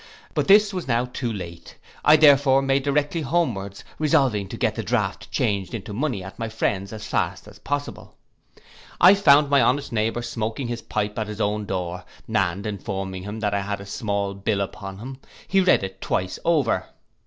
But this was now too late: I therefore made directly homewards, resolving to get the draught changed into money at my friend's as fast as possible. I found my honest neighbour smoking his pipe at his own door, and informing him that I had a small bill upon him, he read it twice over.